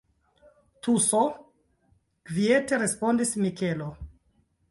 Tuso, kviete respondis Mikelo.